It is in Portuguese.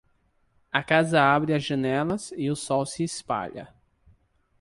A casa abre as janelas e o sol se espalha.